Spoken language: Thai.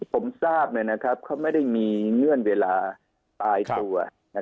ผมทราบนะครับก็ไม่ได้มีเงื่อนเวลาตายตัว